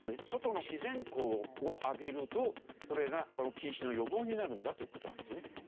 外の自然光を浴びるとそれが近視の予防になるんだという事なんですね。